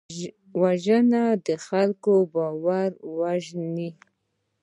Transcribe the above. وژنه د خلکو باور وژني